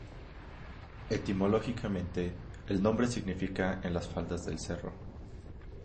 Etimológicamente, el nombre significa 'en las faldas del cerro'.